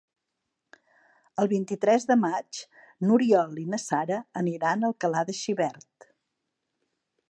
El vint-i-tres de maig n'Oriol i na Sara aniran a Alcalà de Xivert.